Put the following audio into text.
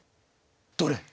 どれ？